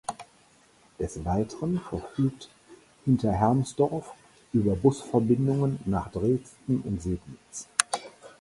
Des Weiteren verfügt Hinterhermsdorf über Busverbindungen nach Dresden und Sebnitz.